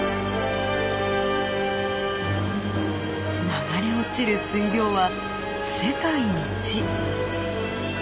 流れ落ちる水量は世界一！